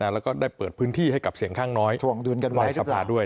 แล้วก็ได้เปิดพื้นที่ให้กับเสียงข้างน้อยไว้สภาด้วย